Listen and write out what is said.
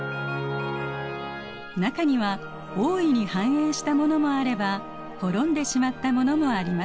中には大いに繁栄したものもあれば滅んでしまったものもあります。